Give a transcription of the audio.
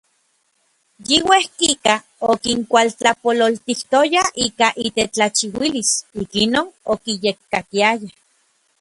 Yi uejkika okinkuatlapololtijtoya ika itetlajchiuilis, ikinon okiyekkakiayaj.